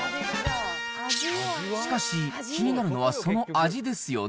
しかし、気になるのはその味ですよね。